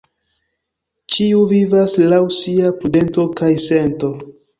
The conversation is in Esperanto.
Ĉiu vivas laŭ sia prudento kaj sento.